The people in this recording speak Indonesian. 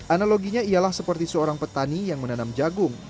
analoginya ialah seperti seorang petani yang menanam jagung